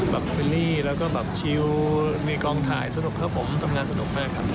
แบบฟิลลีและก็เชียลมีกองถ่ายสนุกครับผมทำงานสนุกมากครับ